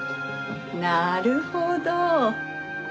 なるほど。